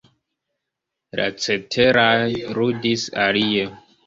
La ceteraj ludis alie.